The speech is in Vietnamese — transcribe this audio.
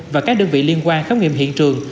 và các đơn vị liên quan khám nghiệm hiện trường